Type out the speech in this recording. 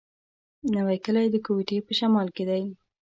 نوی کلی د کوټي په شمال کي دی.